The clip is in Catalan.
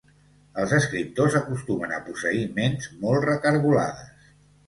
Els escriptors acostumen a posseir ments molt recargolades.